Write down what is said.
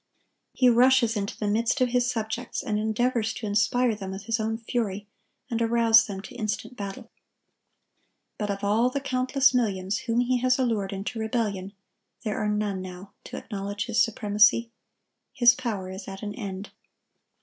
He rushes into the midst of his subjects, and endeavors to inspire them with his own fury, and arouse them to instant battle. But of all the countless millions whom he has allured into rebellion, there are none now to acknowledge his supremacy. His power is at an end.